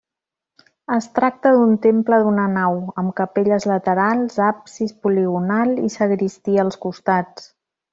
Es tracta d'un temple d'una nau, amb capelles laterals, absis poligonal i sagristia als costats.